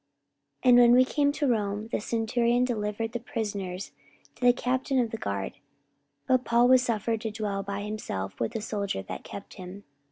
44:028:016 And when we came to Rome, the centurion delivered the prisoners to the captain of the guard: but Paul was suffered to dwell by himself with a soldier that kept him.